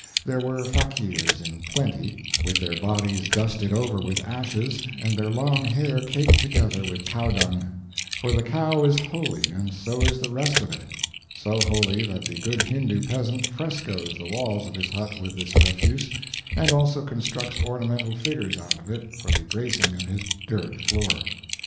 There were fakeers in plenty, with their bodies dusted over with ashes and their long hair caked together with cow dung; for the cow is holy and so is the rest of it; so holy that the good Hindoo peasant frescoes the walls of his hut with this refuse, and also constructs ornamental figures out of it for the gracing of his dirt floor.